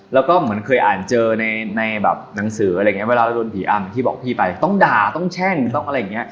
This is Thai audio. แล้วก็เหมือนเคยอ่านเจอในแบบหนังสืออะไรอย่างนี้เวลาเราโดนผีอำที่บอกพี่ไปต้องด่าต้องแช่งต้องอะไรอย่างเงี้